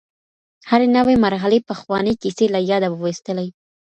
هرې نوې مرحلې پخوانۍ کیسې له یاده وویستلې.